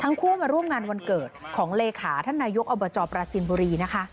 ทั้งคู่ก็ร่วมงานวันเกิดของเหลิกขาทหารยุคอปราจินบุรี